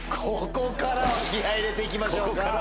ここからは気合入れて行きましょう。